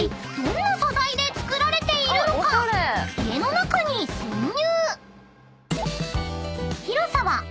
［家の中に潜入］